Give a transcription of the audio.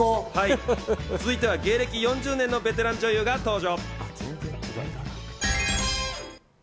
続いては芸歴４０年のベテラン女優が登場。